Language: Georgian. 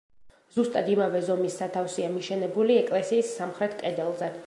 ზუსტად იმავე ზომის სათავსია მიშენებული ეკლესიის სამხრეთ კედელზე.